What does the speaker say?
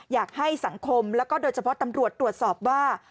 อยากให้สังคมแล้วก็โดยเฉพาะตำรวจตรวจสอบว่า